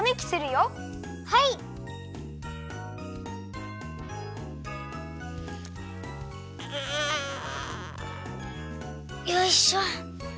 よいしょ。